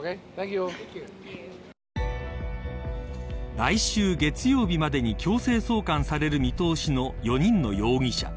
来週月曜日までに強制送還される見通しの４人の容疑者。